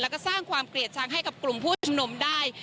แล้วก็สร้างความเกลียดชังให้กับกลุ่มผู้ชุมนุมได้